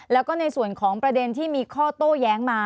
แล้วก็ในส่วนของประเด็นที่มีข้อโต้แย้งมา